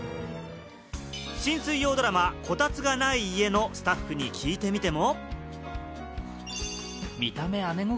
新水曜ドラマ『コタツがない家』のスタッフに聞いてみても。